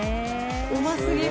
うますぎる。